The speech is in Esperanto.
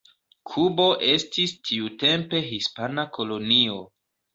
Kubo estis tiutempe hispana kolonio.